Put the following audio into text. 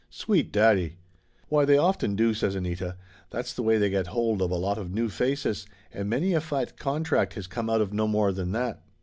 Sweet daddy!" "Why, they often do!" says Anita. "That's the way they get hold of a lot of new faces, and many a fat contract has come out of no more than that."